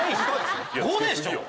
５でしょ